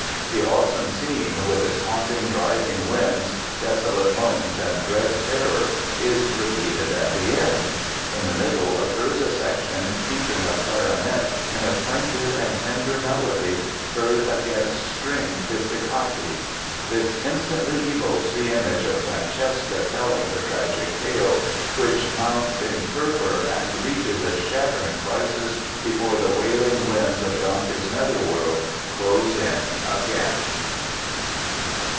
The awesome scene, with its haunting, driving winds, desolate moans, and dread terror, is repeated at the end. In the middle occurs a section featuring a clarinet in a plaintive and tender melody heard against string pizzicati. This instantly evokes the image of Francesca telling her tragic tale, which mounts in fervor and reaches its shattering crisis, before the wailing winds of Dante's netherworld close in again.